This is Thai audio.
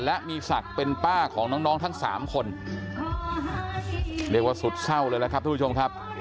และมีศักดิ์เป็นป้าของน้องทั้งสามคนเรียกว่าสุดเศร้าเลยแหละครับทุกผู้ชมครับ